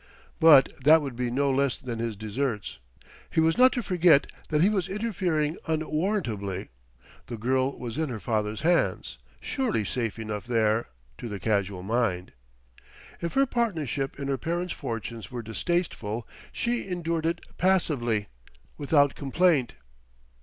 But that would be no less than his deserts; he was not to forget that he was interfering unwarrantably; the girl was in her father's hands, surely safe enough there to the casual mind. If her partnership in her parent's fortunes were distasteful, she endured it passively, without complaint.